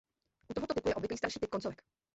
U tohoto typu je obvyklý starší typ koncovek.